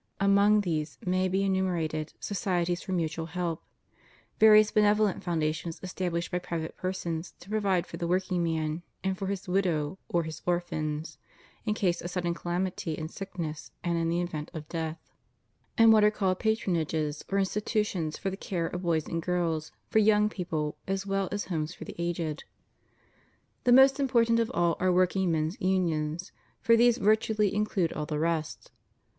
Among these may be enumerated societies for mutual help; various benevolent foundations established by private persons to provide for the workman, and for his wddow or his or phans, in case of sudden calamity, in sickness, and in the event of death ; and what are called " patronages," or institutions for the care of boys and girls, for young people, as well as homes for the aged. The most important of all are workingmen's unions; for these virtually include all the rest.